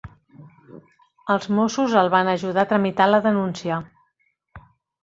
Els mossos els van ajudar a tramitar la denúncia.